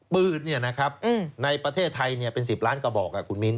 ปืนในประเทศไทยเป็น๑๐ล้านกระบอกคุณมิ้น